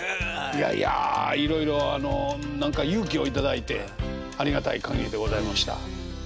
いやいやいろいろ勇気を頂いてありがたい限りでございました。